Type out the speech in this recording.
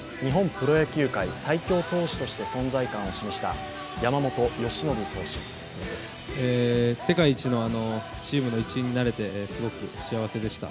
プロ野球界最強投手として存在感を示した世界一のチームの一員になれてなすごく幸せでした。